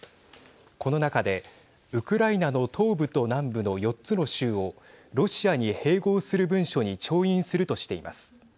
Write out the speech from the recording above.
この中でウクライナの東部と南部の４つの州をロシアに併合する文書に調印するとしています。